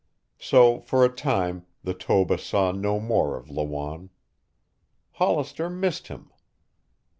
So for a time the Toba saw no more of Lawanne. Hollister missed him.